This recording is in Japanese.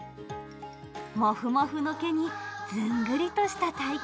もふもふの毛にずんぐりとした体形。